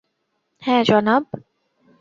হ্যাঁ, জনাব।